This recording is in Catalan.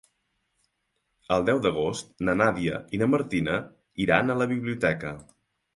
El deu d'agost na Nàdia i na Martina iran a la biblioteca.